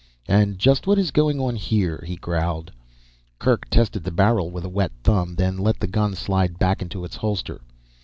"And just what is going on here?" he growled. Kerk tested the barrel with a wet thumb, then let the gun slide back into its holster.